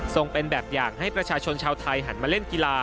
เป็นแบบอย่างให้ประชาชนชาวไทยหันมาเล่นกีฬา